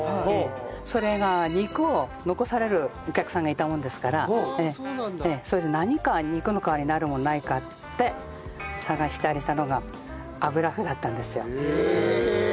それが肉を残されるお客さんがいたもんですからそれで何か肉の代わりになるものないかって探したりしたのが油麩だったんですよ。へえ！